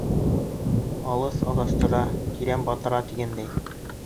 Алыҫ аҙаштыра, тәрән батыра, тигәндәй...